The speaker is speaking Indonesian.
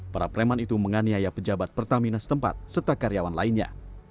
para preman itu menganiaya pejabat pertamina setempat serta karyawan lainnya